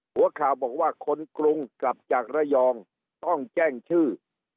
หัวข่าวบอกว่าคนกรุงกลับจากระยองต้องแจ้งชื่อ